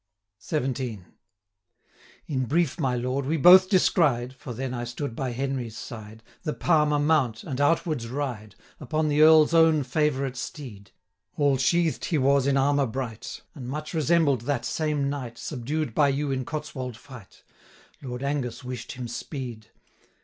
505 XVII. 'In brief, my lord, we both descried (For then I stood by Henry's side) The Palmer mount, and outwards ride, Upon the Earl's own favourite steed: All sheathed he was in armour bright, 510 And much resembled that same knight, Subdued by you in Cotswold fight: Lord Angus wish'd him speed.'